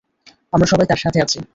আমরা সবাই তার সাথে আছি।